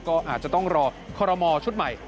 ก็อาจจะต้องรอคอรมอชุดใหม่